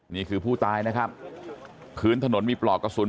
นี่คือผู้ตายนะครับพื้นถนนมีปลอกกระสุน